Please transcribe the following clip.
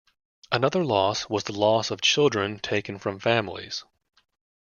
Another loss was the loss of children taken from families.